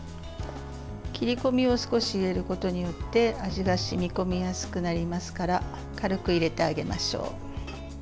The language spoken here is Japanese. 切り込みを少し入れることによって味が染み込みやすくなりますから軽く入れてあげましょう。